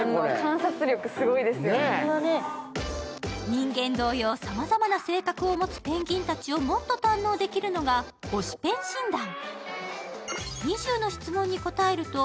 人間同様、さまざまな性格を持つペンギンたちをもっと堪能できるのが推しペン診断。